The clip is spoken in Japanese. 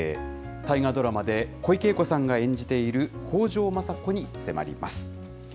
大河ドラマで小池栄子さんが演じている北条政子に迫ります。